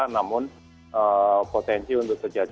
namun potensi untuk terjadi